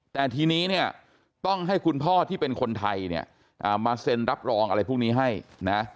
แต่ทีนี้เนี่ยต้องให้คุณพ่อที่เป็นคนไทยเนี่ยมาเซ็นรับรองอะไรพวกนี้ให้นะ